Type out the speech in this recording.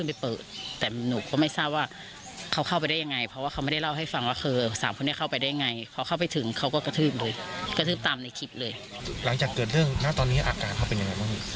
หลังจากเกิดเรื่องณตอนนี้อาการเขาเป็นยังไงบ้าง